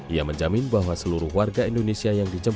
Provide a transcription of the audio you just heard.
ia menjamin bahwa seluruh warga indonesia yang dijemput